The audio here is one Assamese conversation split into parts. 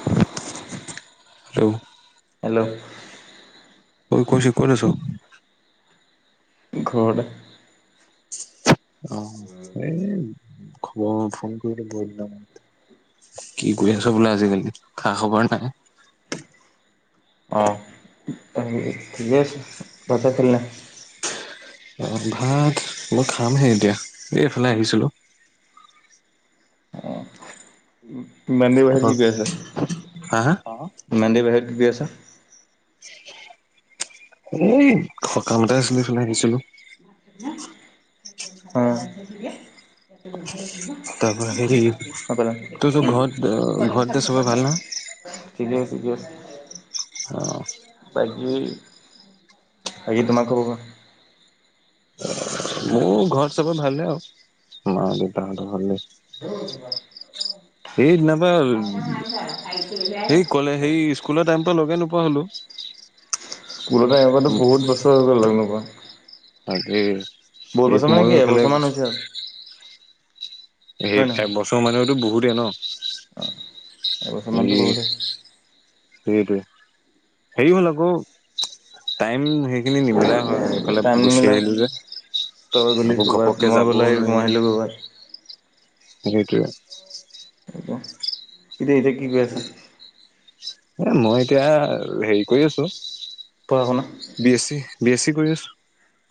[inaudible] হেল্ল হেল্ল' অই কৌশিক কত আছ? ঘৰতে। অ এই খবৰ ফোন কৰিলো বহুত দিনৰ মোৰত। কি কৰি আছ বোলো আজিকালি, খা খবৰ নাই, অ তা হে থিকে আছে ভাত চাত খালি নাই? অ ভাত মই খামহে এতিয়া দেই এইফালে আহিছিলো। মেন্দে বাহিৰত তাৰপৰা কি কৈ হা হা আছা অ মেন্দে বাহিৰত কি কৰি আছা? এ সকাম এতে আছিলো এই ফালে আহিছিলো। অ দে উ দিবা। তাৰপৰা হেৰি হবলা উ তোৰ তোৰ ঘৰত ঘৰত এতিয়া চবৰে ভাল নহয়? ঠিকে আছে ঠিকে আছে। অ বাকী বাকি তোমাক খবৰ কোৱা মোৰ ঘৰত চবে ভালে আউ মা দেউতাহঁতৰ ভালেই ৰ জোমা [unintelligible] সেই দিনাপা সেই কলে সেই স্কুলৰ টাইম পা লগে নোপোৱা হ'লোঁ স্কুলৰ টাইমৰপৰাটো বহুত বছৰ হৈ গ'ল লগ নকৰা তাকে এই বছৰ মানে মইও কি এইফালে এবছৰমান গুছ হৈছে আৰু এই হয় নহয় একবছৰ মানেতো বহুতে ন অকমান হেৰি দেৰি বহু দেই। সেইটোৱে হেৰি হ'ল আকৌ টাইম হে খিনি নিমিলা হয় এইফালে টাইম গুচি নিমিলা আহিলো যে। তই গ'লি আকৌ ক'ৰবাত ঘপককে মই যাবও গ'লো মই আহিলোঁ নোৱাৰি। ক'ৰবাত সেইটোৱে এতিয়া এতিয়া কি কৰি আছা। এ মই এতিয়া হেৰি কৰি আছো। পঢ়া -শুনা। B S C B S C কৰি আছো।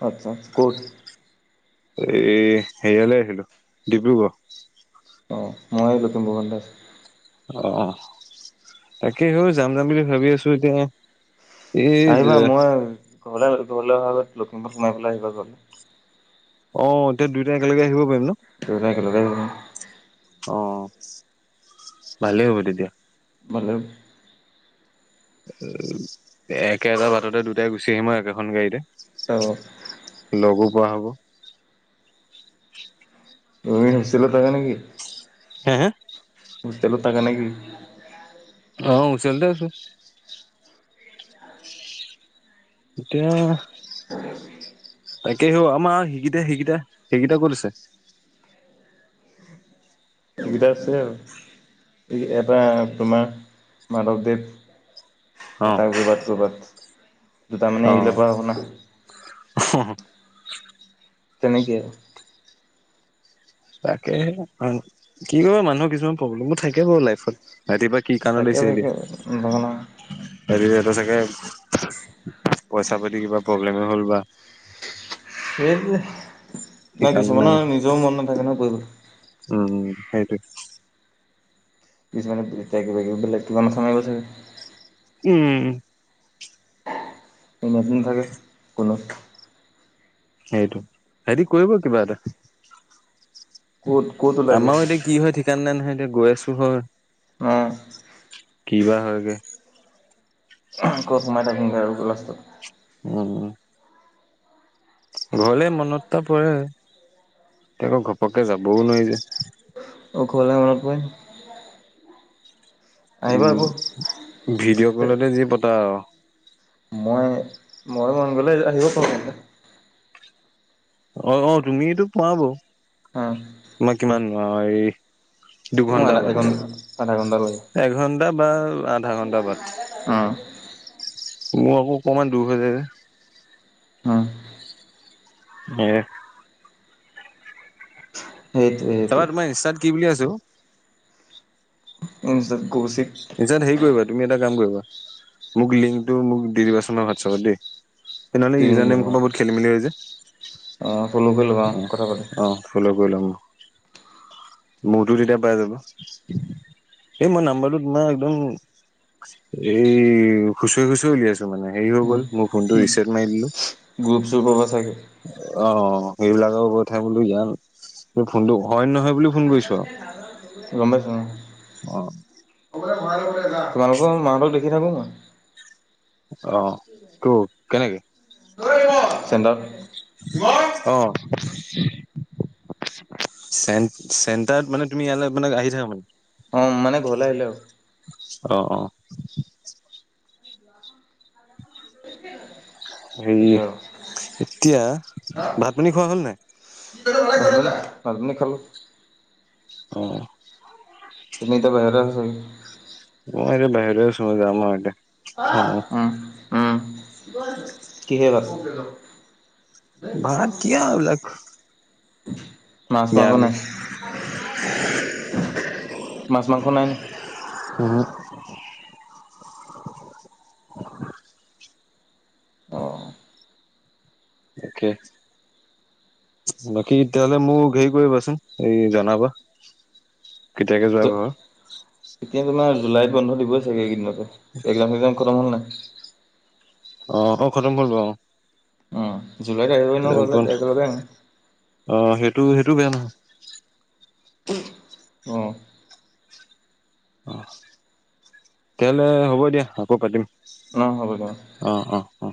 আচ্ছা কত? এ হেৰিয়ালৈ আহিলো ডিব্ৰুগড়, অঁ মই লখিমপুৰমানতে আছো। অ তাকে হৌ যাম যাম বুলি ভাবি আছো এতিয়া। এই আহিবা মই ঘৰলে ঘৰলে অহাৰ আগত লখিমপুৰত সোমাই পেলাই আহিবা ঘৰলৈ। অ তেতিয়া দুইটাই একেলগে আহিব পাৰিম ন। দুইটাই একেলগে আহিব পাৰিম। অ ভালেই হ'ব তেতিয়া। ভালে অ একেটা বাটতে দুটাই গুচি আহিম আৰু একেখন গাড়ীতে অ লগো পোৱা হ'ব। তুমি হোষ্টেলত হৈছিলো তাকে নেকি? হা হা হোষ্টেলত থাকা নেকি? অ হোষ্টেলতে আছো। এতিয়া। তাকে সি আমাৰ সেইকেইটা সেইকেইটা সেইকেইটা ক'ত আছে। সেইকিটা আছে আৰু এটা তোমাৰ মাধৱদেৱ, অ এটা গবাত গোৰবাত দুটা মানে অ এৰিল পৰা শুনা তেনেকেই আৰু তাকে কি কৰিব মানুহৰ কিছুমান প্ৰব্লেমো থাকে বাৰু লাইফত ৰাতিপুৱা কি কাণত থাকে লৈছেতিয়া। ভাগে নথকা নহয়। হেৰি ইহঁতৰ চাগে পইচা পাতি কিবা প্ৰব্লেমে হ'ল বা। সেই য়ে না সেইকাৰণো নাই কিছুমানৰ নিজৰও মন নাথাকে নহয় কৰিবলে। উম উম সেইটোৱে। পিছ মানে কিবিব বেলেগ কিবা নামাইব চাগে। উম [unintelligible] না থাকে [unintelligible] সেইটো হেৰিটো কৰিব কিবা এটা। ক'ত ক'ত, ওলাই আমাৰো গৈছে এতিয়া কি হয় ঠিকনা নাই নহয় এতিয়া গৈ আছো হয়। অ, কি বা হয়গে। ক'ত সোমাই থাকিম গৈ আৰু লাছত, উম উম, ঘৰলে মনতটা পৰে এতিয়া আকৌ ঘপককে যাবও নোৱাৰি যে। অ ঘৰলে মনত পৰে। আহিবা উম আকৌ। ভিডিঅ কলতে যি পতা আৰু মই মই মন গলে আহিব পাৰো ইয়াতে, অ অ তুমি তো পোৱা বাৰু অ, তোমই কিমান ন এই, মোৰ দুঘন্টা আধা বাট ঘণ্টা আধা ঘণ্টা লাগে এঘন্টা বা আধা ঘন্টা বাট, অ, মোৰ আকৌ অকমান দূৰ হৈ যায় যে। উম, হে সেইটোৱে তাপা সেইটোৱে তোমাৰ ইনষ্ট্ৰা কি বুলি আছো অ, ইনষ্ট্ৰ কৌশিক, নিছত হেৰি কৰিবা তুমি এটা কাম কৰিবা। মোক লিংটো মোক দি দিবাচোন সোৱাদ চাবত দেই, তেনেহ'লে ইউজাৰ নেমখৰ পৰা বহুত খেলি মেলি হৈ হৈছে অ ফ'ল' কৰি ল'বা অঁ কথা পাতিম। অঁ ফল কৰি লব, মোৰতো তেতিয়া পাই যাব এই মই নাম্বাৰটো তোমাৰ একদম, এই খুচুৱৰি খুচুৱৰি উলিয়াই আছো। মে হেৰি হৈ গ'ল মোৰ ফোনটো ৰিচাৰট মাৰি দিলো। গ্ৰুপ চুপ পাবা চাগে অ সেইবিলাকৰ কঠাই বোলো ইয়াল ফোনটো হয় নে নহয় বুলি ফোন কৰিছো আৰু গম পাইছো অ, অ, তোমালোকৰ মাহঁতক দেখি থাকো মই, অ ত' কেনেকে চেন্টাৰত [unintelligible] অ, চেণ্ট চেণ্টাৰত মানে তুমি ইয়ালৈ মানে আহি থাকা মানে। অ মানে ঘৰ আহিলে আৰু অ অ, [inaudible] [inaudible] হেৰি তাকে আৰু এতিয়া ভাত পানী খোৱা হ'ল নাই? ভাত পানী খালো। অ তুমি এতিয়া বাহিৰতে আছা চাগে? মই এতিয়া বাহিৰতে আছো যাম আৰু এতিয়া, খাম আৰু। উম, উম, কিহে ভাত? ভাত কি আৰু এইবিলাক। মাছ মাংস নাই? নিৰামিষ। মাছ মাংস নাই নেকি? উমহো। [inaudible] অ তাকে। বাকী তেতিয়াহলে মোক হেৰি কৰিবাচোন এই জনাবা কেতিয়াকে যোৱা ঘৰ? এতিয়া তোমাৰ জুলাইত বন্ধ দিব চাগে কেইদিনতে, একজাম চেকজাম খতম হল নাই? অ অ খতম হ'ল বাৰু অ। উম জুলাইত আহিব ন ঘৰলে একেলগে আহিম। অ সেইটো সেইটোও বেয়া নহয়। অ অ, তেতিয়াহ'লে হ'ব দিয়া আকৌ পাতিম। অঁ হ'ব দে অঁ। অ অ অ।